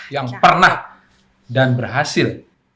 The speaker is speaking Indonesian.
yang pernah dan berhasil